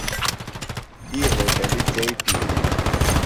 تی ہوٹلیۡ چئی پِیلیۡ۔